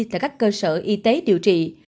tại các cơ sở y tế điều trị